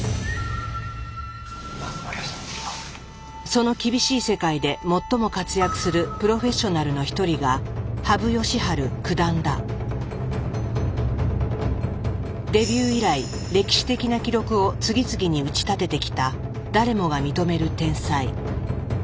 その厳しい世界で最も活躍するプロフェッショナルの一人がデビュー以来歴史的な記録を次々に打ち立ててきた誰もが認める天才。